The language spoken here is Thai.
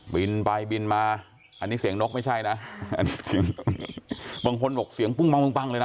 บินไปบินมาอันนี้เสียงนกไม่ใช่นะบางคนบอกเสียงปุ้งปังเลยนะ